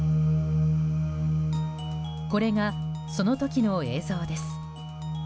これが、その時の映像です。